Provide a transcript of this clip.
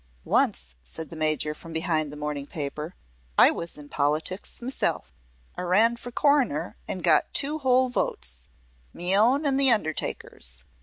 "Once," said the Major, from behind the morning paper, "I was in politics, meself. I ran for coroner an' got two whole votes me own an' the undertaker's.